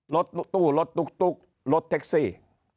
รถตู้รถตุ๊กรถแท็กซี่